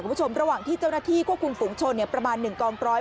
คุณผู้ชมระหว่างที่เจ้าหน้าที่ควบคุมฝุงชนเนี่ยประมาณหนึ่งกองปร้อย